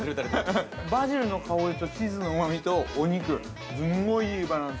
◆バジルの香りと、チーズのうまみと、お肉、すごいいいバランス。